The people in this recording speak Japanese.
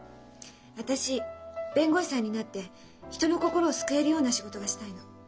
私弁護士さんになって人の心を救えるような仕事がしたいの。